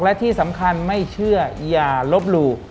และที่สำคัญไม่เชื่ออย่าลบหลู่